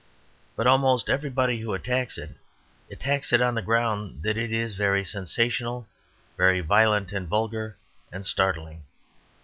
But almost everybody who attacks it attacks on the ground that it is very sensational, very violent and vulgar and startling.